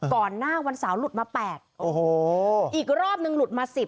ก่อนหน้าวันเสาร์หลุดมา๘โอ้โหอีกรอบนึงหลุดมา๑๐